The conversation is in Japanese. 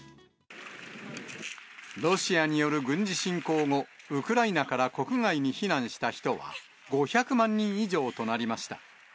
ロシアによる軍事侵攻後、ウクライナから国外に避難した人は、５００万人以上となりました。